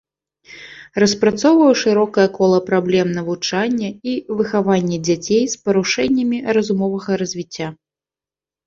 Распрацоўваў шырокае кола праблем навучання і выхавання дзяцей з парушэннямі разумовага развіцця.